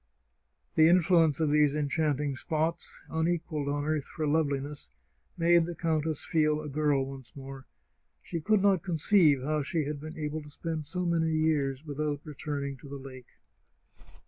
" The influence of these enchanting spots, unequalled on earth for loveliness, made the countess feel a girl once more. She could not conceive how she had been able to spend so many years without returning to the lake.